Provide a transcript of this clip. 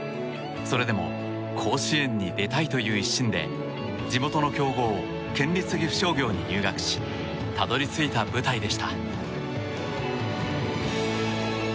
それでも甲子園に出たいという一心で地元の強豪県立岐阜商業に入学したどり着いた舞台でした。